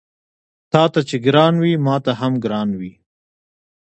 تاته چې ګران وي ماته هم ګران وي